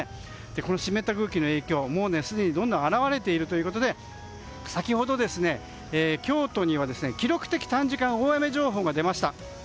この湿った空気の影響もうすでに表れているということで先ほど、京都には記録的短時間大雨情報が出ました。